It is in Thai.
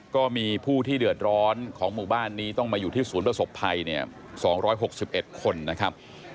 ก็มีผู้ที่เดือดร้อนของหมู่บ้านนี้ต้องมาอยู่ที่ศูนย์ประสบภัยเนี่ย๒๖๑คนนะครับ